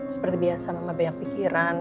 seperti biasa mama banyak pikiran